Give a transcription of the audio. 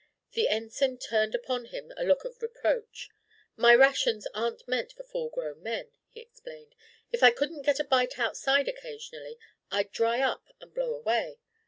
The Ensign turned upon him a look of reproach. "My rations aren't meant for full grown men," he explained. "If I couldn't get a bite outside occasionally, I'd dry up and blow away.